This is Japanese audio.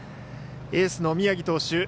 エースの宮城投手